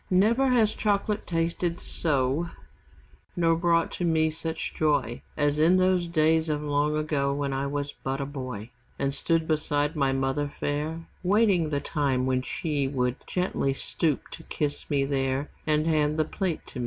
Never has chocolate tasted so, Nor brought to me such joy As in those days of long ago When I was but a boy, And stood beside my mother fair, Waiting the time when she Would gently stoop to kiss me there And hand the plate to me.